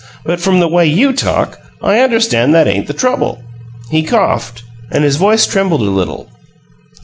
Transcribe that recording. But from the way you talk, I understand that ain't the trouble." He coughed, and his voice trembled a little.